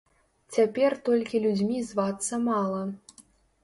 Цяпер толькі людзьмі звацца мала.